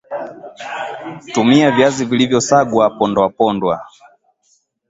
tumia Viazi vilivyosagwa pondwa pondwa